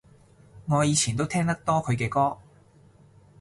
我以前都聽得多佢嘅歌